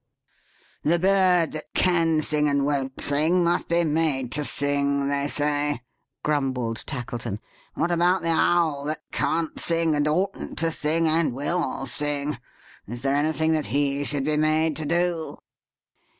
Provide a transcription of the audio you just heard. "The bird that can sing and won't sing, must be made to sing, they say," grumbled Tackleton. "What about the owl that can't sing, and oughtn't to sing, and will sing; is there anything that he should be made to do?"